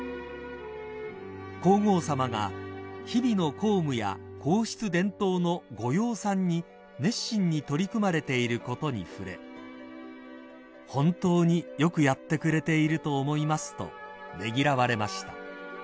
［皇后さまが日々の公務や皇室伝統のご養蚕に熱心に取り組まれていることに触れ「本当によくやってくれていると思います」とねぎらわれました］